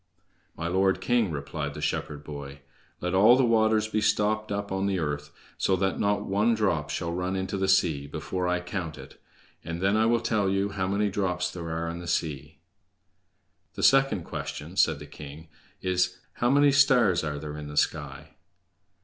"My lord king," replied the shepherd boy, "let all the waters be stopped up on the earth, so that not one drop shall run into the sea before I count it, and then I will tell you how many drops there are in the sea!" "The second question," said the king, "is: How many stars are there in the sky?"